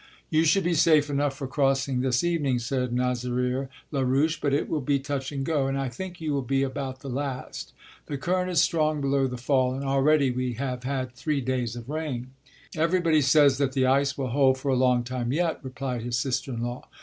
"You should be safe enough for crossing this evening," said Nazaire Larouche, "but it will be touch and go, and I think you will be about the last. The current is strong below the fall and already we have had three days of rain.'" "Everybody says that the ice will hold for a long time yet," replied his sister in law.